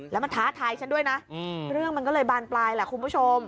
แล้วมันท้าทายฉันด้วยนะเรื่องมันก็เลยบานปลายแหละคุณผู้ชม